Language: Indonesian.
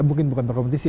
mungkin bukan berkompetisi